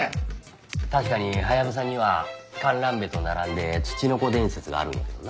確かにハヤブサにはカンランベと並んでツチノコ伝説があるんやけどな。